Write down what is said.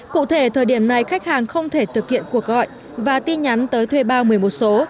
cụ thể thời điểm này khách hàng không thể thực hiện cuộc gọi và tin nhắn tới thuê bao một mươi một số